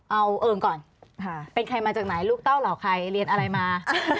เอาเองก่อนเป็นใครมาจากไหนลูกเต้าเหล่าใครเรียนอะไรมา